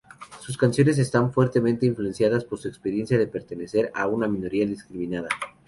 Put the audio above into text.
Sus canciones están fuertemente influenciadas por su experiencia de pertenecer a una minoría discriminada.